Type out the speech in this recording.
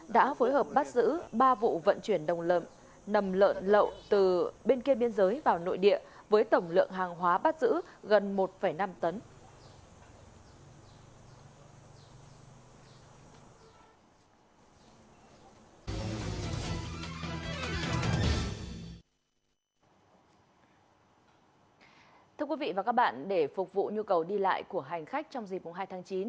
thưa quý vị và các bạn để phục vụ nhu cầu đi lại của hành khách trong dịp hai tháng chín